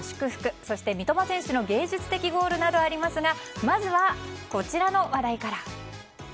そして三笘選手の芸術的ゴールなどありますがまずはこちらの話題から。